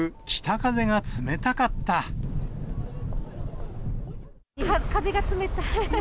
風が冷たい。